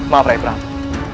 maaf rai prabu